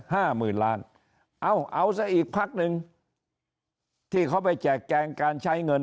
ห้าหมื่นล้านเอาเอาซะอีกพักหนึ่งที่เขาไปแจกแจงการใช้เงิน